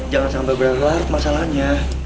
jangan sampai berantem masalahnya